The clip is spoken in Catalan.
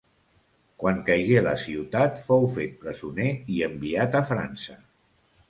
Quan caigué la ciutat fou fet presoner i enviat a França.